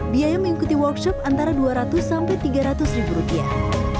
biaya mengikuti workshop antara dua ratus sampai tiga ratus ribu rupiah